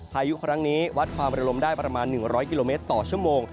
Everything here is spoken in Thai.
พายุครั้งนี้วัดความระลมได้ประมาณ๑๐๐กิโลเมตรต่อชั่วโมง